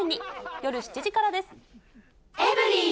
夜７時からです。